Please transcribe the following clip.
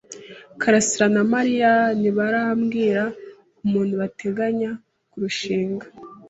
karasira na Mariya ntibarabwira umuntu bateganya kurushinga.